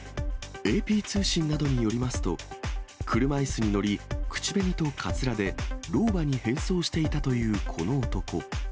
ＡＰ通信などによりますと、車いすに乗り、口紅とかつらで老婆に変装していたというこの男。